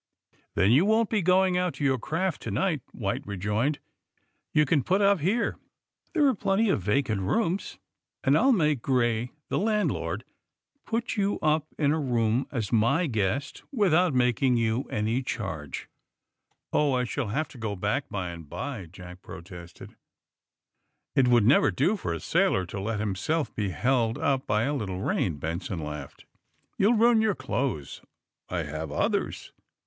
*'Then you won't be going out to your craft to night," White rejoined. '*You can put up AND THE SMUGGLERS 53 here. There are plenty of vacant rooms, and I'll make Gray, the landlord, put you up in a room as my guest, without making you any charge/^ '^Oh, I shall have to go back by and by,'' Jack protested. *^ Through this summer storm!"' Ned White protested. *^It would never do for a sailor to let him self be held up by a little rain," Benson laughed. * ^You'll ruin your clothes." "I have others."